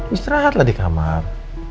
istirahatlah di kamar